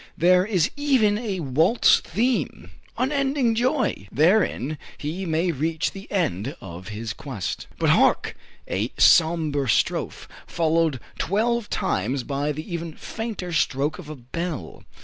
There is even a waltz theme. Unending joy! Therein he may reach the end of his quest. But hark! a sombre strophe, followed twelve times by the even fainter stroke of a bell!